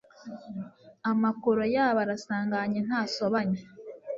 Amakoro yabo arasanganye ntasobanye